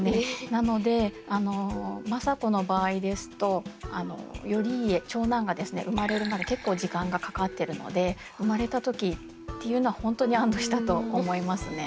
なのであの政子の場合ですと頼家長男がですね生まれるまで結構時間がかかってるので生まれた時っていうのは本当に安どしたと思いますね。